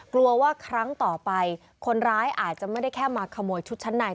กลัวว่าครั้งต่อไปคนร้ายอาจจะไม่ได้แค่มาขโมยชุดชั้นใน